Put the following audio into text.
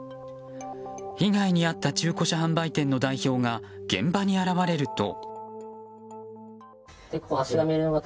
被害に遭った中古車販売店の代表が現場に現れると。